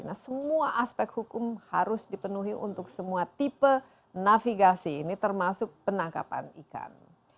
nah semua aspek hukum harus dipenuhi untuk semua tipe navigasi ini termasuk penangkapan ikan